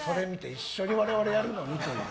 一緒に我々やるのにという。